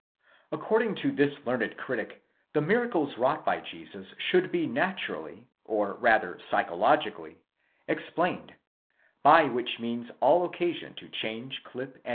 According to this learned critic the miracles wrought by Jesus should be naturally, or rather psychologically, explained ; by which means all occasion to change, clip, and.